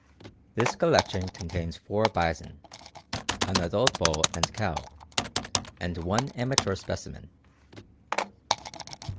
_ This collection contains four bison, an adult bull and cow, and one immature specimen.